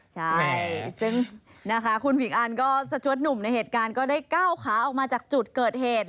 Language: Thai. ใช่ซึ่งนะคะคุณผิงอันก็สะชวดหนุ่มในเหตุการณ์ก็ได้ก้าวขาออกมาจากจุดเกิดเหตุ